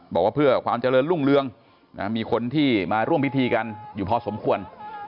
บอกว่าเพื่อความเจริญรุ่งเรืองมีคนที่มาร่วมพิธีกันอยู่พอสมควร